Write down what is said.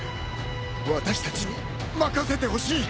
私たちに任せてほしい！